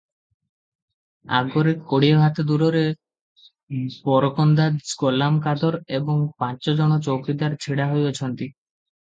ଆଗରେ କୋଡ଼ିଏ ହାତ ଦୂରରେ ବରକନ୍ଦାଜ ଗୋଲାମ କାଦର ଏବଂ ପାଞ୍ଚଜଣ ଚୌକିଦାର ଛିଡ଼ା ହୋଇଅଛନ୍ତି ।